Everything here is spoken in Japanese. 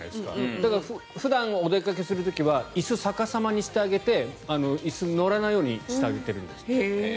だから、普段お出かけする時は椅子を逆さまにして椅子に乗らないようにしてあげてるんですって。